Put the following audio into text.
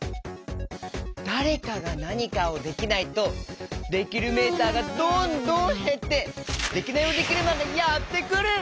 だれかがなにかをできないとできるメーターがどんどんへってデキナイヲデキルマンがやってくる！